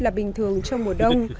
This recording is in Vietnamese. là bình thường trong mùa đông